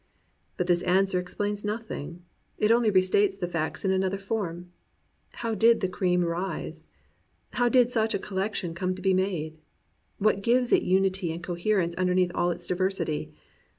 But this answer explains noth ing. It only restates the facts in another form. How did the cream rise ? How did such a collection come to be made ? What gives it unity and coher ence underneath all its diversity?